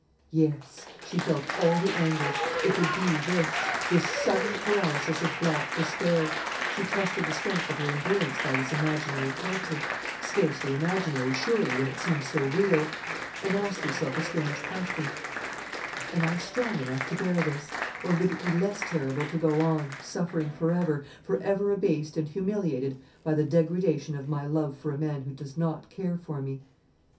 Yes; she felt all the anguish. It would be this this sudden paralysis of black despair. She tested the strength of her endurance by this imaginary torture, scarcely imaginary, surely, when it seemed so real, and asked herself a strange question: "Am I strong enough to bear this, or would it be less terrible to go on, suffering for ever for ever abased and humiliated by the degradation of my love for a man who does not care for me?"